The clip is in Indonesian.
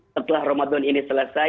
setelah ramadan ini selesai